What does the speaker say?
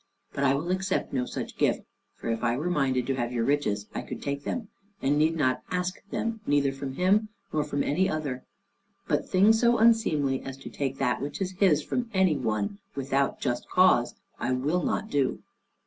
But I will accept no such gift; for if I were minded to have your riches, I could take them, and need not ask them neither from him, nor from any other; but thing so unseemly as to take that which is his from any one, without just cause, I will not do.